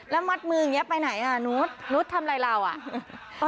แล้วมัดมืออย่างนี้ไปไหนอ่ะนุษย์นุษย์ทำอะไรเราอ่ะ